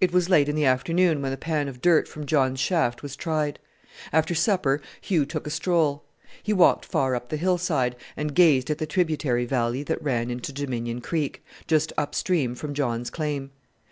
It was late in the afternoon when the pan of dirt from John's shaft was tried. After supper Hugh took a stroll. He walked far up the hillside, and gazed at the tributary valley that ran into Dominion Creek, just up stream from John's claim.